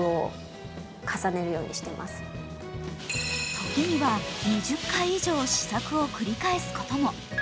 時には２０回以上試作を繰り返すことも。